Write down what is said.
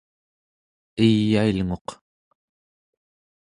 eyailnguq